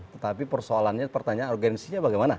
tetapi persoalannya pertanyaan urgensinya bagaimana